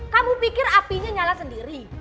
kamu pikir apinya nyala sendiri